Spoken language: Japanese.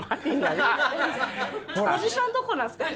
ポジションどこなんですか？